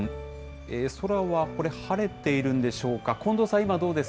空はこれ、晴れているんでしょうか。